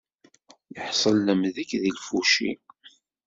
Iḥṣel lemdek di lfuci.